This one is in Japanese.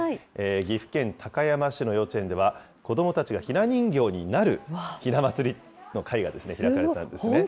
岐阜県高山市の幼稚園では、子どもたちがひな人形になるひな祭りの会が開かれたんですね。